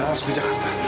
langsung ke jakarta